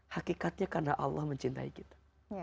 hakikatnya karena allah mencintai kita